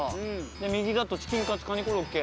で右だとチキンかつカニコロッケ。